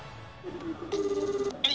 はい。